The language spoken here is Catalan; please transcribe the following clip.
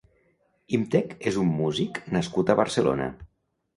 Imtech és un músic nascut a Barcelona.